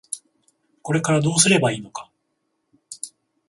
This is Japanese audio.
これからどうすればいいのか。